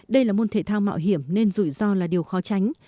đây là môn thể thao mạo hiểm nên rủi ro là điều khó tránh